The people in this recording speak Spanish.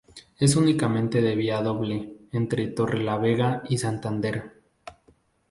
Es únicamente de vía doble entre Torrelavega y Santander.